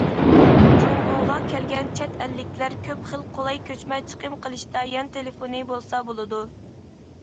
جۇڭگوغا كەلگەن چەت ئەللىكلەر كۆپ خىل قولاي كۆچمە چىقىم قىلىشتا يان تېلېفونى بولسا بولىدۇ.